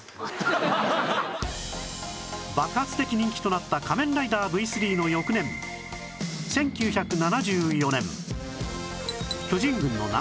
爆発的人気となった『仮面ライダー Ｖ３』の翌年１９７４年